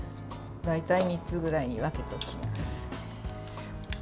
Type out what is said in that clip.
大体３つぐらいに分けておきます。